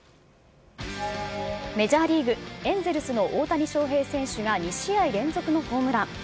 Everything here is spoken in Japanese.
メジャーリーグ・エンゼルスの大谷翔平選手が２試合連続のホームラン。